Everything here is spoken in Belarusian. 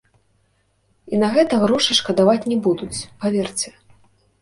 І на гэта грошай шкадаваць не будуць, паверце.